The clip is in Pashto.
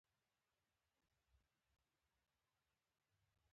اتن څنګه کیږي؟